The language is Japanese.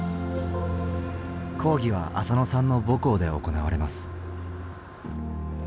講義はあさのさんの母校で行われます。